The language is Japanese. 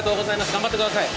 頑張ってください。